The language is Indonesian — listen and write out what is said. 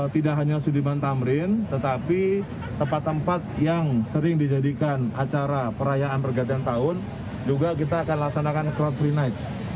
tidak hanya di sudiman tamrin tetapi di tempat tempat yang sering dijadikan acara perayaan pergatan tahun juga kita akan melaksanakan crowd free night